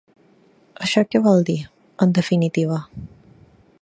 Això què vol dir, en definitiva?